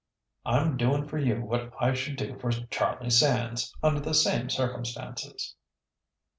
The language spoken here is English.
"I'm doing for you what I should do for Charlie Sands under the same circumstances."